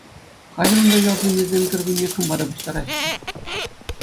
Халӗ унта ял ҫыннисем кӗркунне кӑмпа та пуҫтараҫҫӗ.